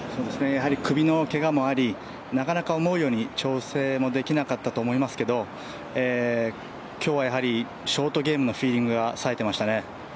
首のけがもありなかなか思うように調整できなかったと思いますけど今日はやはり、ショートゲームのフィーリングがさえてましたね。